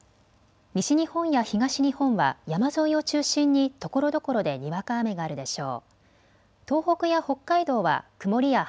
西日本や東日本は山沿いを中心にところどころでにわか雨があるでしょう。